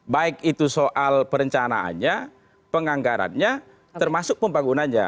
baik itu soal perencanaannya penganggarannya termasuk pembangunannya